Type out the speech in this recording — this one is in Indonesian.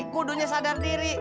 udah punya budo sadar diri